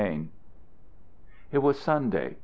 V It was Sunday.